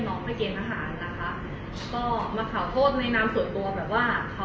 ก็รับว่าเป็นความผิดของเขาเองนะค่ะ